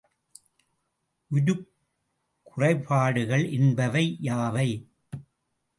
உருக்குறைபாடுகள் என்பவை யாவை?